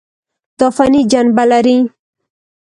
دا فني جنبه لري.